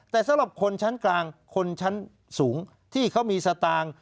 แต่สำหรับคนชั้นกลางคนชั้นสูงที่เขามีสตางค์